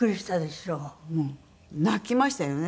もう泣きましたよね